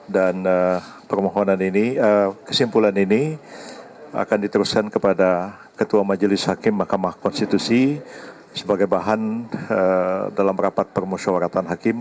dan permohonan ini kesimpulan ini akan diteruskan kepada ketua majelis hakim mahkamah konstitusi sebagai bahan dalam rapat permusyawaratan hakim